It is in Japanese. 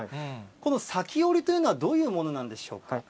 この裂き織りというのはどういうものなんでしょうか。